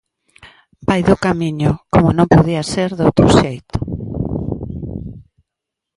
Vai do Camiño, como non podía ser doutro xeito.